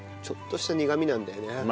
ちょっとした苦みなんだよね。